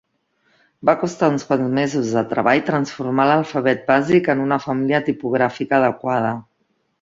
Va costar uns quants mesos de treball transformar l'alfabet bàsic en una família tipogràfica adequada.